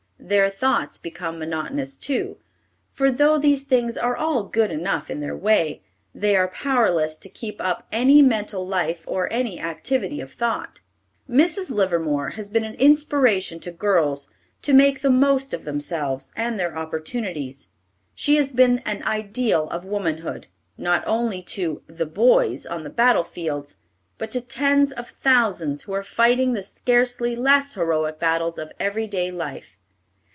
Their thoughts become monotonous, too, for, though these things are all good enough in their way, they are powerless to keep up any mental life or any activity of thought." Mrs. Livermore has been an inspiration to girls to make the most of themselves and their opportunities. She has been an ideal of womanhood, not only to "the boys" on the battle fields, but to tens of thousands who are fighting the scarcely less heroic battles of every day life.